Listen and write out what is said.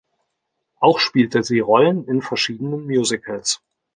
Auch spielte sie Rollen in verschiedenen Musicals.